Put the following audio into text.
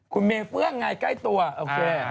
คุณเมเฟื่องไงใกล้ตัวโอเค